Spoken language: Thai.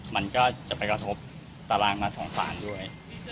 มันก็จะไปกระทบตารางมัดของศาลด้วย